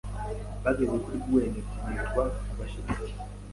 bageze kuri Bwenge ati nitwa Abashyitsi